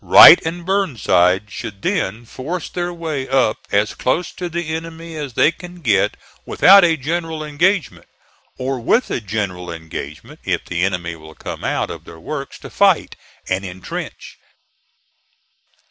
Wright and Burnside should then force their way up as close to the enemy as they can get without a general engagement, or with a general engagement if the enemy will come out of their works to fight, and intrench.